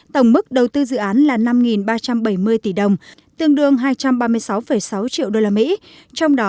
tổng mức đầu tư dự án là năm ba trăm bảy mươi tỷ đồng tương đương hai trăm ba mươi sáu sáu triệu usd